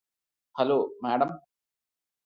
hello madam